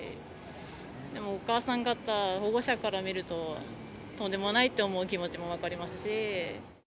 でもお母さん方、保護者から見るととんでもないって思う気持ちも分かりますし。